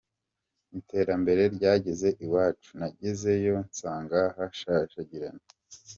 Iterambere ryageze iwacu, nagezeyo nsanga hashashagirana.